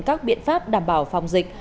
các biện pháp đảm bảo phòng dịch